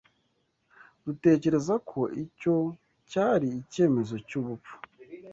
Dutekereza ko icyo cyari icyemezo cyubupfu.